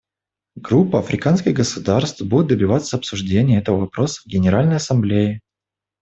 Группа африканских государств будет добиваться обсуждения этого вопроса в Генеральной Ассамблее.